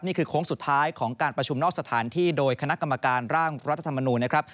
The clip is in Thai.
โค้งสุดท้ายของการประชุมนอกสถานที่โดยคณะกรรมการร่างรัฐธรรมนูญนะครับ